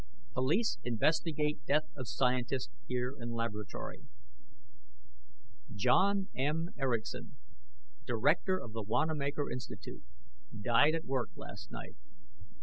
POLICE INVESTIGATE DEATH OF SCIENTIST HERE IN LABORATORY John M. Erickson, director of the Wanamaker Institute, died at his work last night.